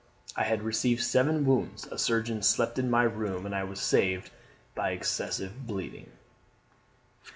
I had received seven wounds; a surgeon slept in my room, and I was saved by excessive bleeding."